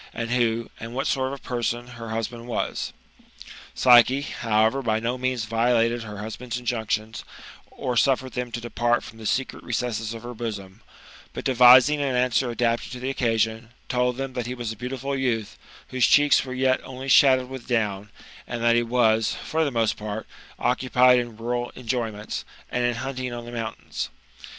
And who, and what sort of a person, her husband was ? Psyche, however, by no means violated her husband's in junctions, or suffered them to depart from the secret recesses of her bosom; but devising an, answer adapted to the occasion, told them that he was a beautiful youth, whose cheeks were yet only shadowed with down, and that he was, for the most part, occupied in rural employments, and in hunting on the moun tains.